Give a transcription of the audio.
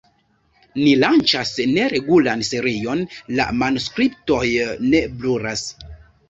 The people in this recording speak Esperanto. Ni lanĉas neregulan serion La manuskriptoj ne brulas.